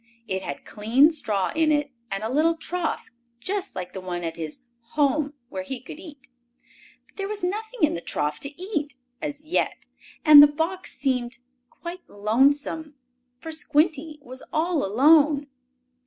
It had clean straw in it, and a little trough, just like the one at his "home," where he could eat. But there was nothing in the trough to eat, as yet, and the box seemed quite lonesome, for Squinty was all alone.